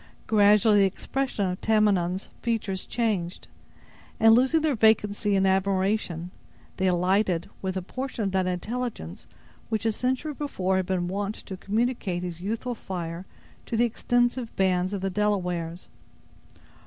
Gradually the expression of Tamenund's features changed, and losing their vacancy in admiration, they lighted with a portion of that intelligence which a century before had been wont to communicate his youthful fire to the extensive bands of the Delawares.